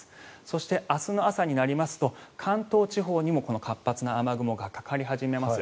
そして、明日の朝になりますと関東地方にも活発な雨雲がかかり始めます。